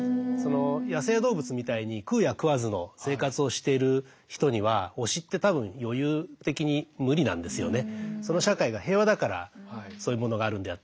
野生動物みたいに食うや食わずの生活をしている人には推しって多分余裕的に無理なんですよね。